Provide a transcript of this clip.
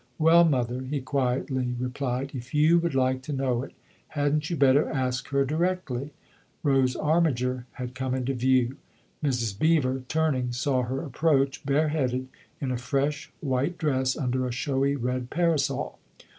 "Well, mother," he quietly replied, "if you would like to know it, hadn't you better ask her directly ?" Rose Armiger had come into view ; Mrs. Beever, turning, saw her approach, bare headed, in a fresh white dress, under a showy red parasol.